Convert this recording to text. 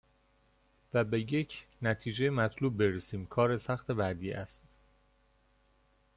و به یک نتیجه مطلوب برسیم کار سخت بعدی است.